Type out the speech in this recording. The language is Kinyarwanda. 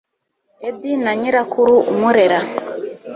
edi na nyirakuru umurera